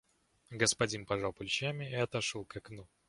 Господин пожал плечами и отошёл к окну.